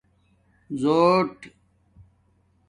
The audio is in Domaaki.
زݸٹ